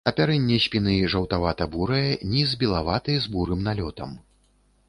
Апярэнне спіны жаўтавата-бурае, ніз белаваты з бурым налётам.